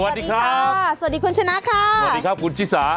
สวัสดีครับสวัสดีครับคุณชนะสวัสดีครับคุณชีสา